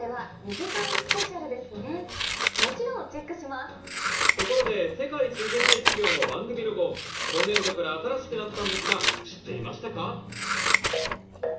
ですねところで『世界一受けたい授業』の番組ロゴ今年度から新しくなったんですが知っていましたか？